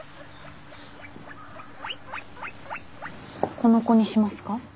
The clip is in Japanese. この子にしますか？